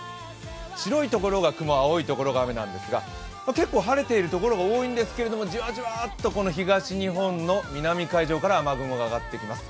白いところが雲、青いところが雨なんですが、結構、晴れている所が多いんですけど、じわじわっと東日本の南海上から雨雲が上がってきます。